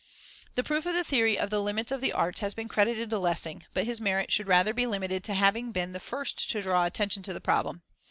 The proof of the theory of the limits of the arts has been credited to Lessing, but his merit should rather be limited to having been the first to draw attention to the problem.